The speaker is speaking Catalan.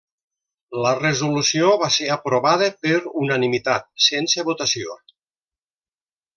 La resolució va ser aprovada per unanimitat sense votació.